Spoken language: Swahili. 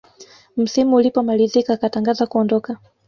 msimu ulipomalizika akatangaza kuondoka